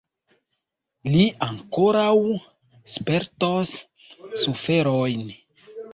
Li ankoraŭ spertos suferojn!